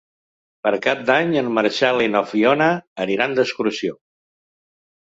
Per Cap d'Any en Marcel i na Fiona aniran d'excursió.